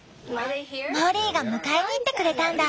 モリーが迎えに行ってくれたんだ。